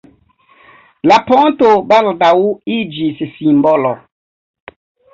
La ponto baldaŭ iĝis simbolo.